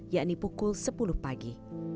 yakni pukul sepuluh pagi